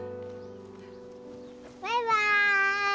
バイバーイ。